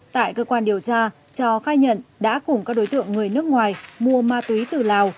tại cơ quan điều tra trò khai nhận đã cùng các đối tượng người nước ngoài mua ma túy từ lào